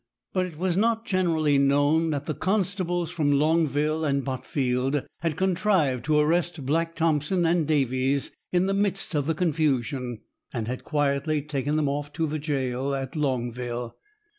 But it was not, generally known that the constables from Longville and Botfield had contrived to arrest Black Thompson and Davies in the midst of the confusion, and had quietly taken them off to the jail at Longville.